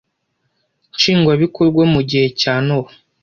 Nshingwabikorwa mu gihe cya nowa